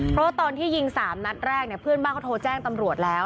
เพราะตอนที่ยิง๓นัดแรกเนี่ยเพื่อนบ้านเขาโทรแจ้งตำรวจแล้ว